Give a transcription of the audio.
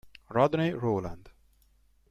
Rodney Rowland